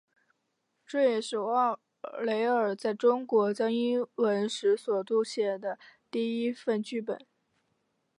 这也是沃雷尔在中国教英文时所撰写的第一份剧本。